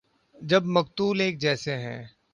جب مقتول ایک جیسے ہیں۔